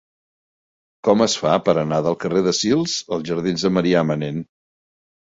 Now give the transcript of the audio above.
Com es fa per anar del carrer de Sils als jardins de Marià Manent?